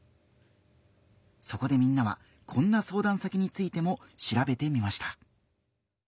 そこでみんなはこんな相談先についてもしらべてみました。